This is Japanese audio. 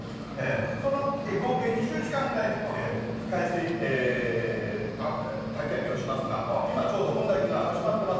その合計２０時間ぐらい海水炊き上げをしますが、今ちょうど本炊きが始まってます。